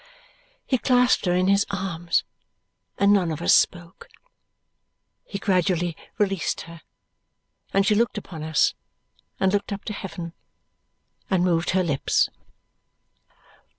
He clasped her in his arms, and none of us spoke. He gradually released her, and she looked upon us, and looked up to heaven, and moved her lips.